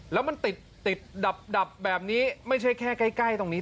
แล้วมันติดติดดับแบบนี้ไม่ใช่แค่ใกล้ตรงนี้